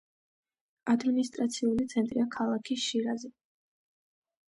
ადმინისტრაციული ცენტრია ქალაქი შირაზი.